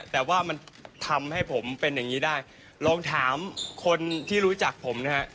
แต่ว่ามันทำให้ผมเป็นอย่างนี้ได้ลองถามคนที่รู้จักผมนะฮะ